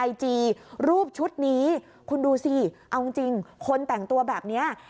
ไอจีรูปชุดนี้คุณดูสิเอาจริงคนแต่งตัวแบบนี้